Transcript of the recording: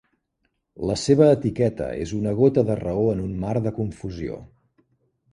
La seva etiqueta és "una gota de raó en un mar de confusió".